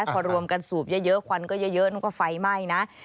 พอรวมกันสูบเยอะเยอะควันก็เยอะเยอะแล้วก็ไฟไหม้นะ